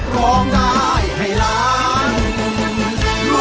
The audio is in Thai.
ร้องได้ให้ล้าน